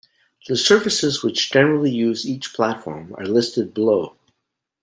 The services which generally use each platform are listed below.